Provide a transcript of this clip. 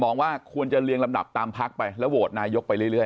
ว่าควรจะเรียงลำดับตามพักไปแล้วโหวตนายกไปเรื่อย